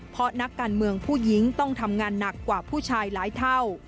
เพราะนักการเมืองผู้หญิงต้องทำงานหนักกว่าผู้ชายหลายเท่า